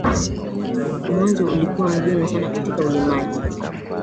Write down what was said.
Mwanzo ulikuwa mgumu sana katika ulimaji